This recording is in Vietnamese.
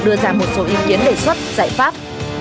đưa ra một số ý kiến đề xuất giải pháp